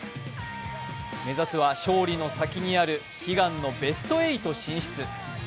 目指すは勝利の先にある悲願のベスト８進出。